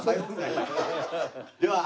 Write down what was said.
では